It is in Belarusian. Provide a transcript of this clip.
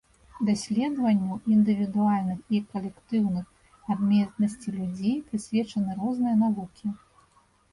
Даследаванню індывідуальных і калектыўных адметнасці людзей прысвечаны розныя навукі.